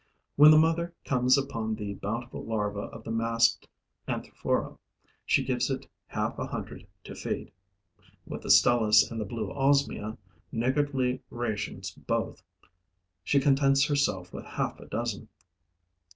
When the mother comes upon the bountiful larva of the masked Anthophora, she gives it half a hundred to feed; with the Stelis and the blue Osmia, niggardly rations both, she contents herself with half a dozen.